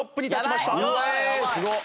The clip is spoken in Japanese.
すごっ！